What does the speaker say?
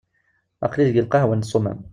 Aql-i deg lqahwa n Ṣumam.